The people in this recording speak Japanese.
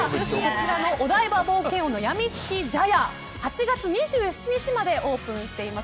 お台場冒険王のやみつき茶屋８月２７日までオープンしています。